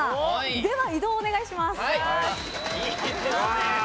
では移動をお願いします。